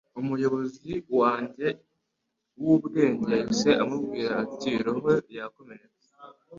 Umuyobozi wanjye w'ubwenge yahise amubwira ati roho yakomeretse